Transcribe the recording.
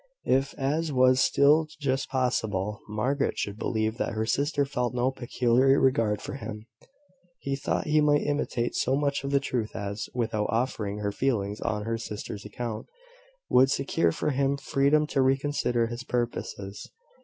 If, as was still just possible, Margaret should believe that her sister felt no peculiar regard for him, he thought he might intimate so much of the truth as, without offending her feelings on her sister's account, would secure for him freedom to reconsider his purposes.